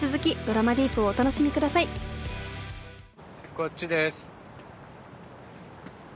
こっちです。